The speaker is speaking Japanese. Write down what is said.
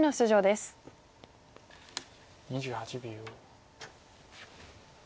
２８秒。